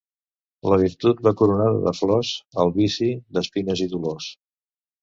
La virtut va coronada de flors; el vici, d'espines i dolors.